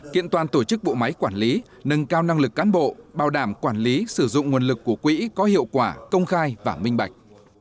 kiện toàn tổ chức bộ máy quản lý nâng cao năng lực cán bộ bảo đảm quản lý sử dụng nguồn lực của quỹ có hiệu quả công khai và minh bạch